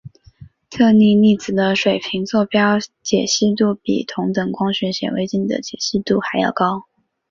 特定粒子的水平座标解析度比同等光学显微镜的解析度还要高。